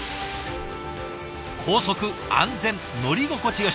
高速安全乗り心地よし。